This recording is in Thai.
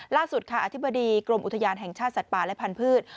ล่าสุดค่ะอธิบดีกรมอุทยานแห่งชาติสัตว์ป่าและพันธุ์